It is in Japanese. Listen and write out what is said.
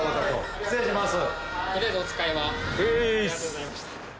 失礼します。